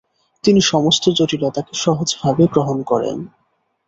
তিনি সমস্ত জটিলতাকে সহজভাবে গ্রহণ করেন।